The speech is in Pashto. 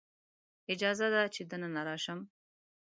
اجازه ده چې دننه راشم؟